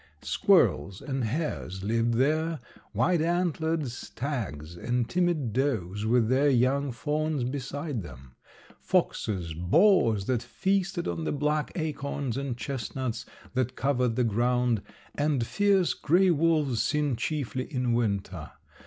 Squirrels and hares lived there; wide antlered stags and timid does with their young fawns beside them, foxes, boars that feasted on the black acorns and chestnuts that covered the ground, and fierce gray wolves, seen chiefly in winter.